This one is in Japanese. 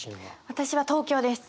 私は東京です。